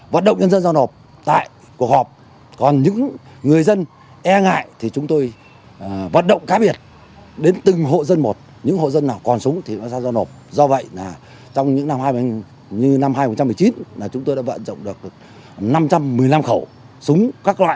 vận động nhân dân giao nộp tại cuộc họp còn những người dân e ngại thì chúng tôi vận động cá biệt đến từng hộ dân một những hộ dân nào còn súng thì nó sẽ giao nộp do vậy là trong những năm hai nghìn một mươi chín là chúng tôi đã vận động được năm trăm một mươi năm khẩu súng các loại